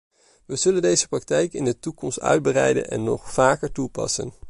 We zullen deze praktijk in de toekomst uitbreiden en nog vaker toepassen.